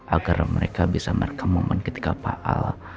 agar mereka bisa merekam momen ketika paal